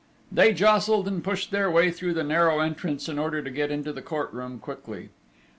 They jostled and pushed their way through the narrow entrance in order to get into the court room quickly.